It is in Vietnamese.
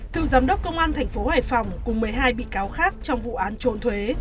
cựu giám đốc công an tp hải phòng cùng một mươi hai bị cáo khác trong vụ án trốn thuế